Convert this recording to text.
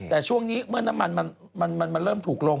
แต่ช่วงนี้เมื่อน้ำมันมันเริ่มถูกลง